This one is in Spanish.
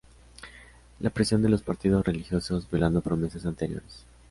La presión de los partidos religiosos, violando promesas anteriores..